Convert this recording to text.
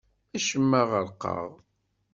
Acemma ɣerqeɣ.